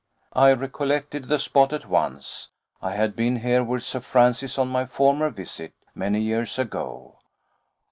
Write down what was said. I recollected the spot at once. I had been here with Sir Francis on my former visit, many years ago.